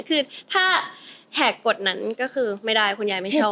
คือถ้าแหกกฎนั้นก็คือไม่ได้คุณยายไม่ชอบ